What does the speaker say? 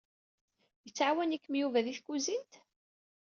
Yettɛawan-ikem Yuba di tkuzint?